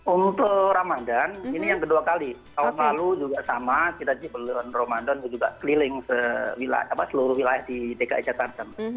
untuk ramadan ini yang kedua kali tahun lalu juga sama kita di bulan ramadan juga keliling seluruh wilayah di dki jakarta